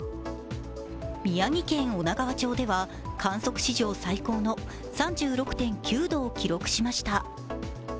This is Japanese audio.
宮城県女川町では観測史上最高の３６．９度を記録しました。